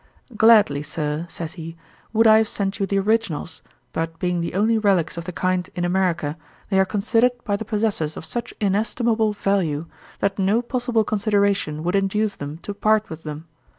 'Gladly, Sir, (says he,) would I have sent you the originals; but being the only relicks of the kind in America, they are considered by the possessors of such inestimable value, that no possible consideration would induce them to part with them.